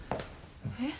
えっ？